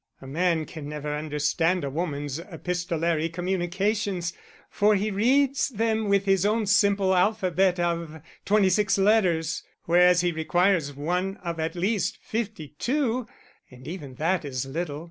A man can never understand a woman's epistolary communications, for he reads them with his own simple alphabet of twenty six letters, whereas he requires one of at least fifty two; and even that is little.